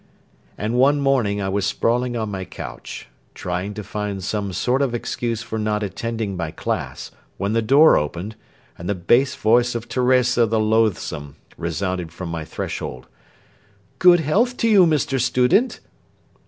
And one morning I was sprawling on my couch, trying to find some sort of excuse for not attending my class, when the door opened, and the bass voice of Teresa the loathsome resounded from my threshold: "Good health to you, Mr. Student!"